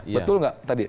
betul nggak tadi